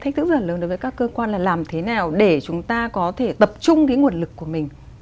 thách thức rất là lớn đối với các cơ quan là làm thế nào để chúng ta có thể tập trung cái nguồn lực của mình